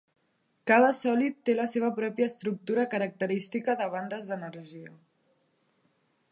Cada sòlid té la seva pròpia estructura característica de bandes d'energia.